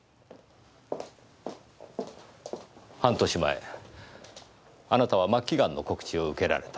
半年前あなたは末期ガンの告知を受けられた。